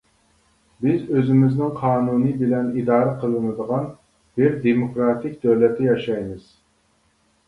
بىز ئۆزىمىزنىڭ قانۇنى بىلەن ئىدارە قىلىنىدىغان بىر دېموكراتىك دۆلەتتە ياشايمىز.